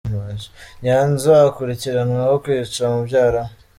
Nyanza Akurikiranweho kwica mubyara we